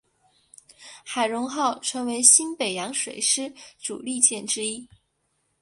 海容号成为新北洋水师主力舰之一。